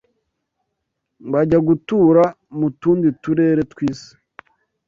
bajya gutura mu tundi turere tw’isi